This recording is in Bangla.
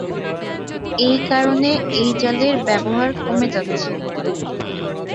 এই কারণে এই জালের ব্যবহার কমে যাচ্ছে।